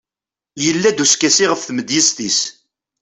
yella-d uskasi ɣef tmedyazt-is